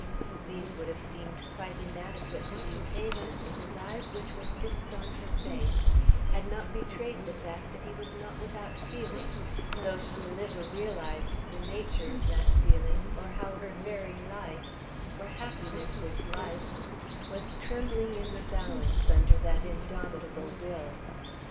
These would have seemed quite inadequate to the occasion if his eyes which were fixed on her face, had not betrayed the fact that he was not without feeling, though she little realized the nature of that feeling or how her very life (for happiness is life) was trembling in the balance under that indomitable will.